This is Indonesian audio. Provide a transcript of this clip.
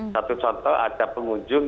satu contoh ada pengunjung